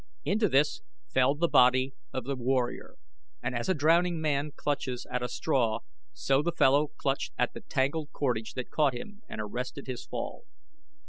Into this fell the body of the warrior, and as a drowning man clutches at a straw so the fellow clutched at the tangled cordage that caught him and arrested his fall.